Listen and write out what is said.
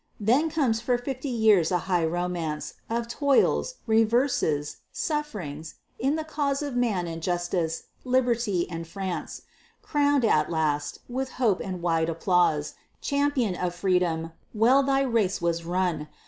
Then comes for fifty years a high romance Of toils, reverses, sufferings, in the cause Of man and justice, liberty and France, Crowned, at the last, with hope and wide applause. Champion of Freedom! Well thy race was run!